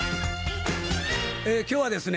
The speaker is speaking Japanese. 今日はですね